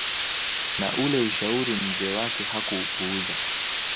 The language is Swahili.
Na ule ushauri mzee wake hakuupuuza